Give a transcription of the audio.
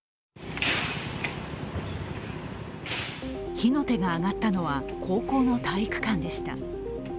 火の手が上がったのは高校の体育館でした。